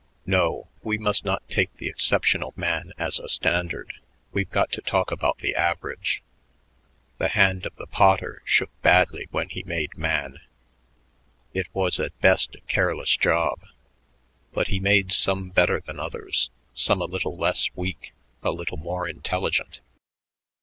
"No, we must not take the exceptional man as a standard; we've got to talk about the average. The hand of the Potter shook badly when he made man. It was at best a careless job. But He made some better than others, some a little less weak, a little more intelligent.